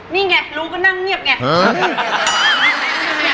นี่ไงรู้ก็นั่งเงียบไง